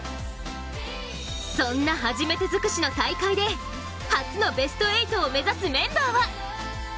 そんな初めて尽くしの大会で初のベスト８を目指すメンバーは？